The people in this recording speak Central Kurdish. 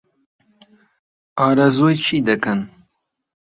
ئارەزووی چی دەکەن؟